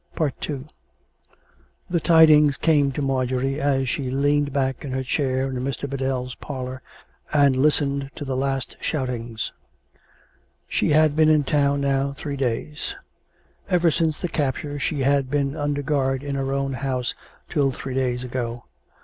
II The tidings came to Marjorie as she leaned back in her chair in Mr. Biddell's parlour and listened to the last shoutings. She had been in town now three days. Ever since the capture she had been under guard in her own house till three days ago.